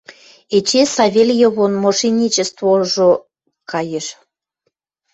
Эче Савельевон мошенничествожо каеш...